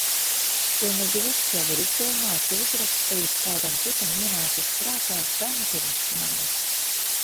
Pilnīgi viss jau ir izdomāts, uzrakstīts, kādam citam ienācis prātā sen pirms manis.